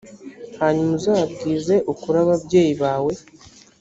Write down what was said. hanyuma uzabwize ukuri ababyeyi bawe